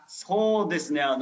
そうですね